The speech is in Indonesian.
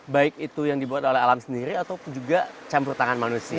baik itu yang dibuat oleh alam sendiri atau juga campur tangan manusia